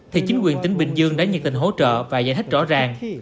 thì chính quyền tỉnh bình dương đã nhiệt tình hỗ trợ và giải thích rõ ràng